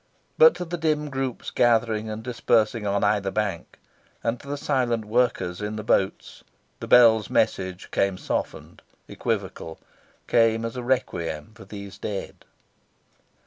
But to the dim groups gathering and dispersing on either bank, and to the silent workers in the boats, the bell's message came softened, equivocal; came as a requiem for these dead.